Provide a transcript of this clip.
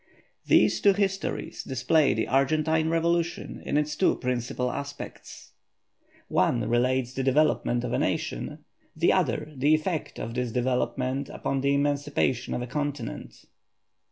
These two histories display the Argentine Revolution in its two principal aspects; one relates the development of a nation, the other the effect of this development upon the emancipation of a continent.